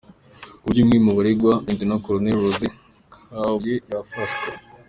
Ku buryo umwe mu baregwa Lt Col Rose Kabuye yafashwe.